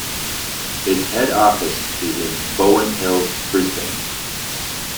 Its head office is in Bowen Hills, Brisbane.